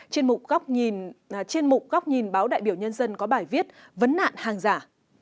trên mục góc nhìn báo đại biểu nhân dân có bài viết vấn nạn hàng giả